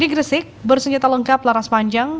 di gresik bersenjata lengkap laras panjang